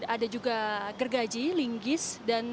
ada juga gergaji linggis